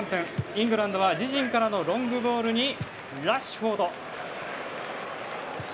イングランドは自陣からのロングボールにラッシュフォード。